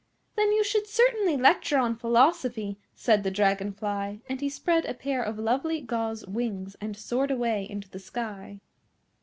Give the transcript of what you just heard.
"Then you should certainly lecture on Philosophy," said the Dragon fly, and he spread a pair of lovely gauze wings and soared away into the sky.